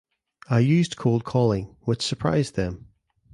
I used cold calling, which surprised them